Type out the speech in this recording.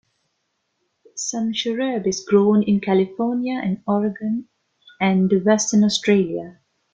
Some Scheurebe is grown in California and Oregon and Western Australia.